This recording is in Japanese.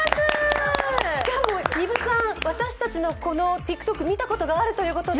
しかも私たちのこのＴｉｋＴｏｋ見たことがあるということで？